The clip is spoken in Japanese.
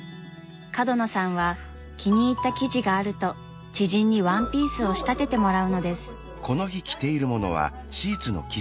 角野さんは気に入った生地があると知人にワンピースを仕立ててもらうのです。